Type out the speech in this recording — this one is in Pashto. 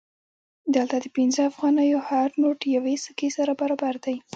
دلته د پنځه افغانیو هر نوټ یوې سکې سره برابر دی